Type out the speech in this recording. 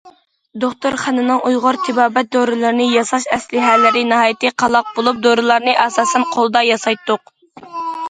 دوختۇرخانىنىڭ ئۇيغۇر تېبابەت دورىلىرىنى ياساش ئەسلىھەلىرى ناھايىتى قالاق بولۇپ، دورىلارنى ئاساسەن قولدا ياسايتتۇق.